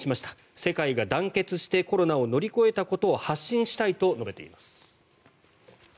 世界が団結してコロナを乗り越えたことを発信したいと述べています。